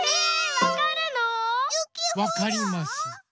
わかります。